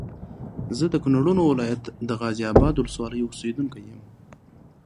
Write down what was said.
زه د کونړونو ولايت د غازي اباد ولسوالۍ اوسېدونکی یم